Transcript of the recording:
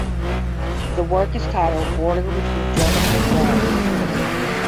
The work is titled "Border between Germany and France".